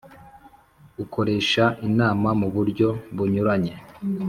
Ukoresha Inama Mu Buryo Bunyuranyije